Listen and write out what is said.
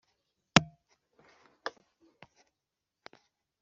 N imyaka icumi amakuru ava ahandi